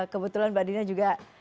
kebetulan mbak dina juga